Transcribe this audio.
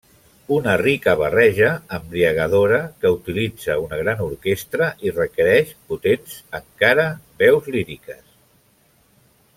Una rica barreja, embriagadora que utilitza una gran orquestra i requereix potents encara veus líriques.